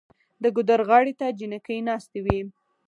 د ګودر غاړې ته جینکۍ ناستې وې